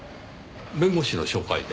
弁護士の紹介で？